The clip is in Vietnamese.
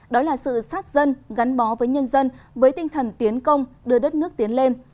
đó là sự sát dân gắn bó với nhân dân với tinh thần tiến công đưa đất nước tiến lên